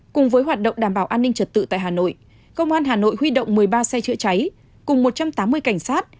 cùng với hoạt động đảm bảo an ninh trật tự tại hà nội công an hà nội huy động một mươi ba xe chữa cháy cùng một trăm tám mươi cảnh sát